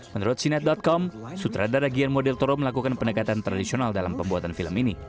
menurut cnet com sutradara guillermo del toro melakukan pendekatan tradisional dalam pembuatan film ini